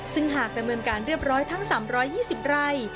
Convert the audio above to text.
ซึ่งหากดำเนินการเรียบร้อยทั้ง๓๒๐ไร่